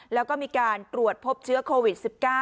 แล้วก็มีการตรวจพบเชื้อโควิด๑๙